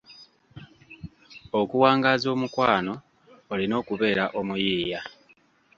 Okuwangaaza omukwano olina okubeera omuyiiya.